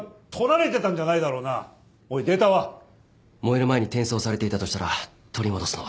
燃える前に転送されていたとしたら取り戻すのは。